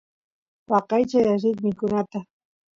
waqaychay alli mikunata